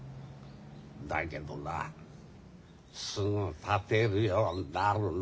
だけどなすぐ立てるようになるの。